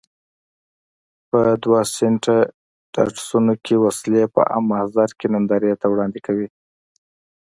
په دوه سیټه ډاټسنونو کې وسلې په عام محضر کې نندارې ته وړاندې کوي.